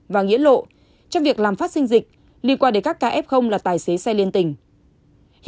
và nghĩa lộ trong việc làm phát sinh dịch liên quan đến các kf là tài xế xe liên tình